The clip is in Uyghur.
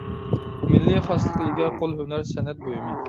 مىللىي خاسلىققا ئىگە قول ھۈنەر سەنئەت بۇيۇمى.